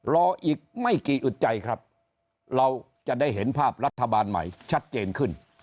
รออีกไม่กี่อึดใจครับเราจะได้เห็นภาพรัฐบาลใหม่ชัดเจนขึ้น